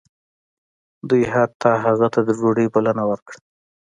دوی حتی هغه ته د ډوډۍ بلنه ورکړه